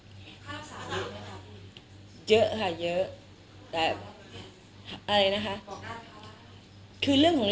เยอะค่ะเยอะแต่อะไรนะคะคือเรื่องของ